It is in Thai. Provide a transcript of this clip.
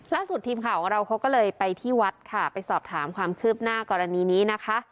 ล่าสุดทีมข่าวของเราเขาก็เลยไปที่วัดค่ะไปสอบถามความคืบหน้ากรณีนี้นะคะ